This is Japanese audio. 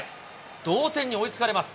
同点に追いつかれます。